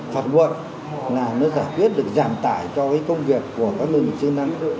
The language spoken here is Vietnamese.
phạm vụ là nó giải quyết được giảm tải cho cái công việc của các lực lượng chứng năng